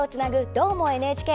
「どーも、ＮＨＫ」。